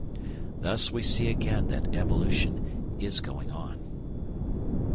Thus we see again that evolution is going on.